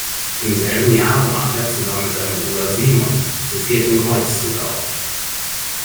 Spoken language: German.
Im selben Jahr brach er zusammen mit seinem Bruder Simon zum Vierten Kreuzzug auf.